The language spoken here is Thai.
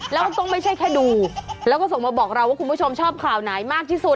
แล้วก็ไม่ใช่แค่ดูแล้วก็ส่งมาบอกเราว่าคุณผู้ชมชอบข่าวไหนมากที่สุด